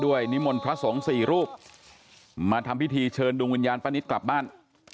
นิมนต์พระสงฆ์สี่รูปมาทำพิธีเชิญดวงวิญญาณป้านิตกลับบ้าน